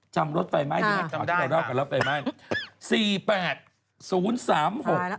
จำลดไฟไหม้เนี่ยอ๋อจะไปเล่ากันแล้วรอไปไหม้